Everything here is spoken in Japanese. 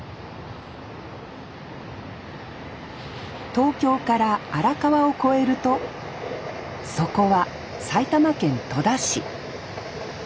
東京から荒川を越えるとそこは埼玉県戸田市。